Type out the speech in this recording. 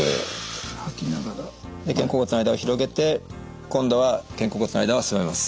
で肩甲骨の間を広げて今度は肩甲骨の間を狭めます。